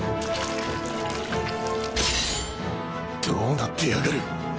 どうなってやがる